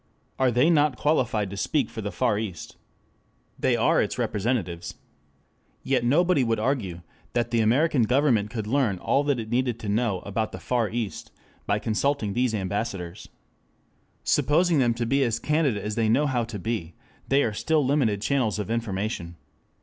Are they not qualified to speak for the Far East? They are its representatives. Yet nobody would argue that the American Government could learn all that it needed to know about the Far East by consulting these ambassadors. Supposing them to be as candid as they know how to be, they are still limited channels of information.